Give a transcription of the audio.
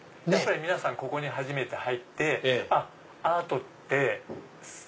皆さんここに初めて入ってアートって安く。